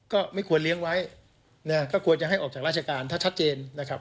ก็ไม่ควรเลี้ยงไว้นะก็ควรจะให้ออกจากราชการถ้าชัดเจนนะครับ